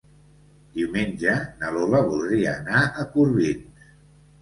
Diumenge na Lola voldria anar a Corbins.